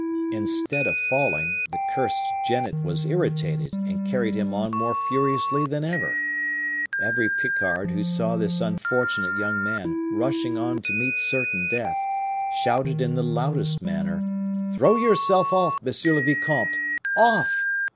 Instead of falling, the cursed jennet was irritated, and carried him on more furiously than ever. Every Picard who saw this unfortunate young man rushing on to meet certain death, shouted in the loudest manner, 'Throw yourself off, monsieur le vicomte! off!